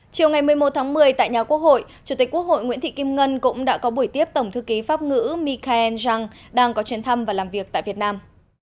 chiều ngày một mươi một tháng một mươi tại nhà quốc hội chủ tịch quốc hội nguyễn thị kim ngân cũng đã có buổi tiếp tổng thư ký pháp ngữ mikhareen jung đang có chuyến thăm và làm việc tại việt nam